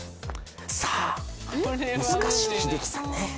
さぁ難しい英樹さんね。